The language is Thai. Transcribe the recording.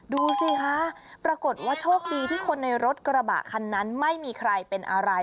ดูสิคะปรากฏว่าโชคดีที่คนในรถกระบะคันนั้นไม่มีใครเป็นอะไร